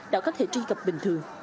đã có thể truy cập bình thường